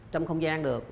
trong không gian được